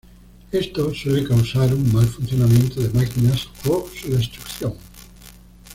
Esto suele causar un mal funcionamiento de máquinas o su destrucción.